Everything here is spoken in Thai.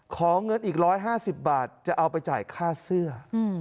ขอเงินอีก๑๕๐บาทจะเอาไปจ่ายค่าเสื้อ